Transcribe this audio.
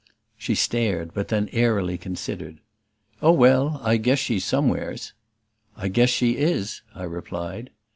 She stared, but then airily considered. "Oh, well I guess she's somewheres." "I guess she is!" I replied.